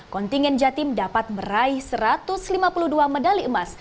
kontingen jatim dapat meraih satu ratus lima puluh dua medali emas